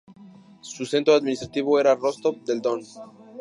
Su centro administrativo era Rostov del Don.